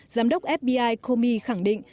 giám đốc fbi comey khẳng định